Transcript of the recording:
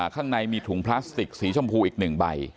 ข้างในมีถุงพลาสติกสีชมพูอีก๑ใบ